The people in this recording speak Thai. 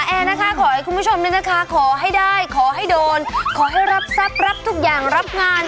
แอร์นะคะขอให้คุณผู้ชมเนี่ยนะคะขอให้ได้ขอให้โดนขอให้รับทรัพย์รับทุกอย่างรับงาน